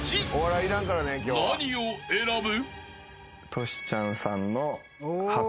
［何を選ぶ？］